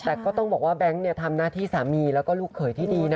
แต่ก็ต้องบอกว่าแบงค์ทำหน้าที่สามีแล้วก็ลูกเขยที่ดีนะ